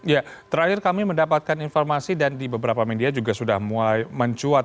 ya terakhir kami mendapatkan informasi dan di beberapa media juga sudah mulai mencuat